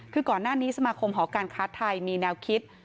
คือก่อนหน้านี้สมาคมหอการค้าไทยมีแนวคิด